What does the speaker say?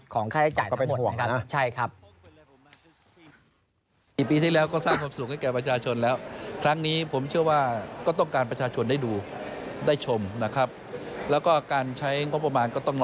ของค่ายจ่ายทั้งหมดนะครับ